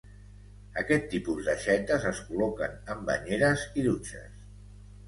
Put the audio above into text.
Aquest tipus d'aixetes es col·loquen en banyeres i dutxes.